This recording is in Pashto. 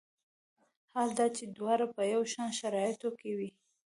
حال دا چې دواړه په یو شان شرایطو کې وي.